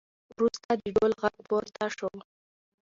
وروسته د ډول غږ پورته شو